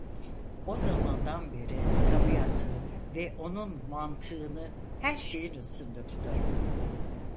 O zamandan beri tabiatı ve onun mantığını her şeyin üstünde tutarım.